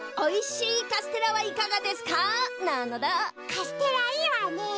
カステラいいわね。